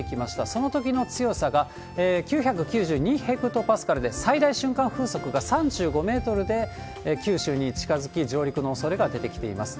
そのときの強さが９９２ヘクトパスカルで、最大瞬間風速が３５メートルで、九州に近づき、上陸のおそれが出てきています。